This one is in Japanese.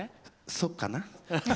そうかな？